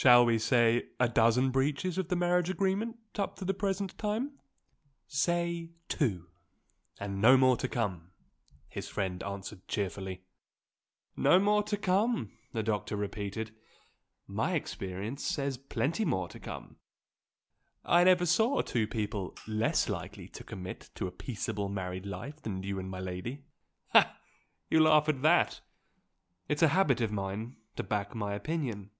Shall we say a dozen breaches of the marriage agreement up to the present time?" "Say two and no more to come!" his friend answered cheerfully. "No more to come!" the doctor repeated. "My experience says plenty more to come; I never saw two people less likely to submit to a peaceable married life than you and my lady. Ha! you laugh at that? It's a habit of mine to back my opinion.